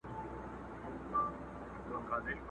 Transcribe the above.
د ښایست یې پر ملکونو چوک چوکه سوه!!